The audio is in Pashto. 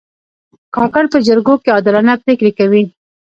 کاکړ په جرګو کې عادلانه پرېکړې کوي.